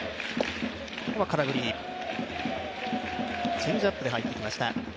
チェンジアップで入ってきました。